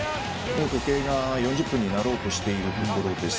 時計が４０分になろうとしているところです。